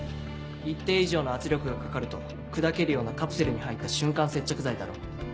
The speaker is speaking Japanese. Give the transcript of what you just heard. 一定以上の圧力が掛かると砕けるようなカプセルに入った瞬間接着剤だろう。